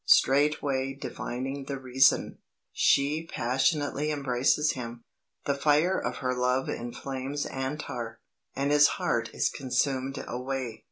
Straightway divining the reason, she passionately embraces him. The fire of her love inflames Antar, and his heart is consumed away.